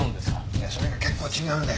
いやそれが結構違うんだよ。